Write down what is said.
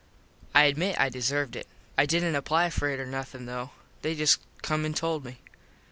I admit I deserved it. I didnt apply for it or nothin though. They just come and told me.